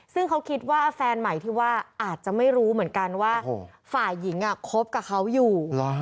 ซึ่งเขาคิดว่าแฟนใหม่ที่ว่าอาจจะไม่รู้เหมือนกันว่าฝ่ายหญิงคบกับเขาอยู่